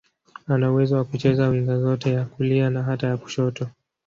Ana uwezo wa kucheza winga zote, ya kulia na hata ya kushoto.